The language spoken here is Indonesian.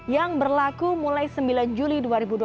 yang berlaku mulai sembilan juli dua ribu dua puluh